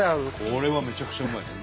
これはめちゃくちゃうまいです。